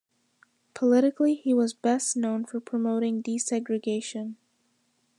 Politically, he was best known for promoting desegregation.